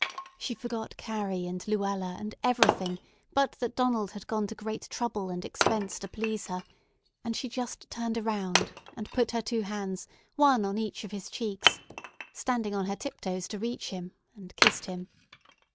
She forgot Carrie and Luella, and everything but that Donald had gone to great trouble and expense to please her; and she just turned around, and put her two hands, one on each of his cheeks, standing on her tiptoes to reach him, and kissed him.